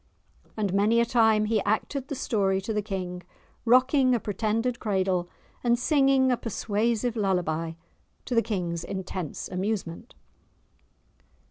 And many a time he acted the story to the King, rocking a pretended cradle, and singing a persuasive lullaby, to the King's intense amusement.